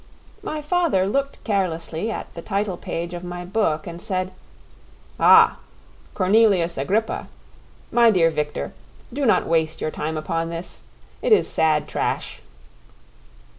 My father looked carelessly at the title page of my book and said, "Ah! Cornelius Agrippa! My dear Victor, do not waste your time upon this; it is sad trash."